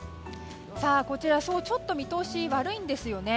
こちら、ちょっと見通しが悪いんですよね。